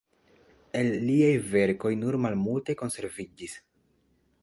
El liaj verkoj nur malmultaj konserviĝis.